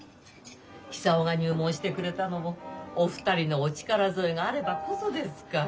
久男が入門してくれたのもお二人のお力添えがあればこそですから。